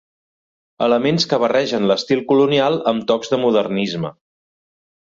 Elements que barregen l'estil colonial amb tocs de modernisme.